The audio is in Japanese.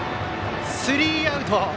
スリーアウト。